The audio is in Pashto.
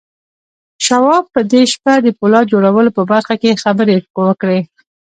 شواب په دې شپه د پولاد جوړولو په برخه کې خبرې وکړې.